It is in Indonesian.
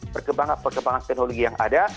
perkembangan perkembangan teknologi yang ada